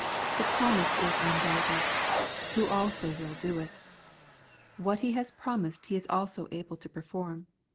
The promise is undoubted —" Who also will do it." What He has pro mised He is also able to perform.